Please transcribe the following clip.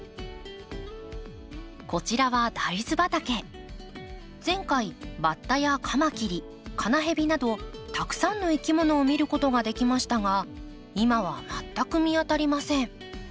こちらは前回バッタやカマキリカナヘビなどたくさんのいきものを見ることができましたが今は全く見当たりません。